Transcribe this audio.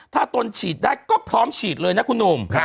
ถ้าตนฉีดได้ก็พร้อมฉีดเลยนะคุณหนุ่ม